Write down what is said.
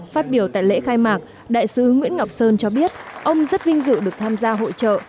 phát biểu tại lễ khai mạc đại sứ nguyễn ngọc sơn cho biết ông rất vinh dự được tham gia hội trợ